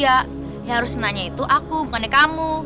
ya harus nanya itu aku bukannya kamu